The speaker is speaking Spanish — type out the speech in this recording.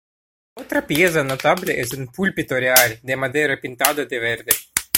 Otra pieza notable es el púlpito real, de madera pintada de verde.